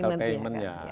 sama digital paymentnya